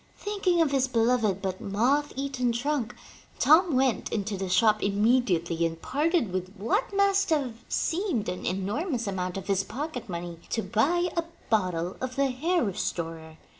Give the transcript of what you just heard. Thinking of his beloved but moth eaten trunk, Tom went into the shop im mediately and parted with what must have seemed an enormous amount of his pocket money, to buy a bottle of the hair restorer.